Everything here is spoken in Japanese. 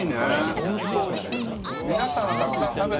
ホント美味しい。